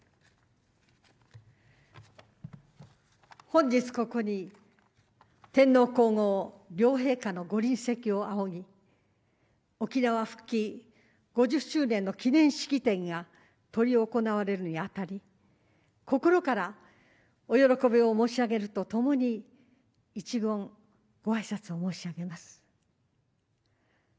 本日ここに天皇皇后両陛下の御臨席を仰ぎ「沖縄復帰５０周年記念式典」が執り行われるにあたり心よりお喜び申し上げるとともに一言、御挨拶申し上げます。